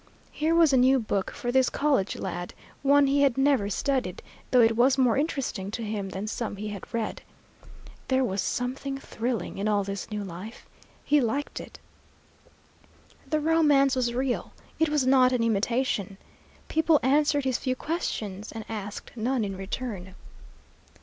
Here was a new book for this college lad, one he had never studied, though it was more interesting to him than some he had read. There was something thrilling in all this new life. He liked it. The romance was real; it was not an imitation. People answered his few questions and asked none in return.